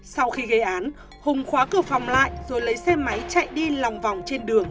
sau khi gây án hùng khóa cửa phòng lại rồi lấy xe máy chạy đi lòng vòng trên đường